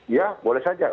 iya boleh saja